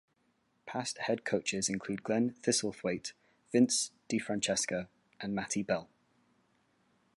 Past head coaches include Glenn Thistlethwaite, Vince DiFrancesca, and Matty Bell.